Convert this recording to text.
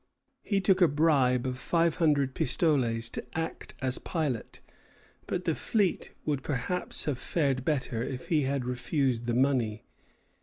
He took a bribe of five hundred pistoles to act as pilot; but the fleet would perhaps have fared better if he had refused the money.